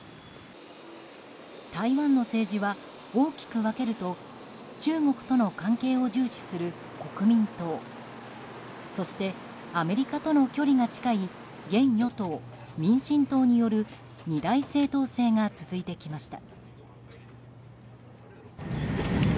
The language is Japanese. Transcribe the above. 台湾の政治は大きく分けると中国との関係を重視する国民党そして、アメリカとの距離が近い現与党・民進党による二大政党制が続いてきました。